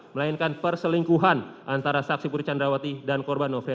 melainkan perselingkuhan antara saksi putri candrawati dan korban novel